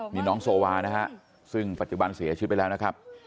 นี่น้องโซวานะฮะซึ่งปัจจุบันเสียชีวิตไปแล้วนะครับ